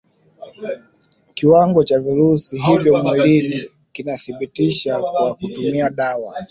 kiwango cha virusi hivyo mwilini kinadhibitiwa kwa kutumia dawa